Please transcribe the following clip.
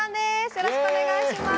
よろしくお願いします。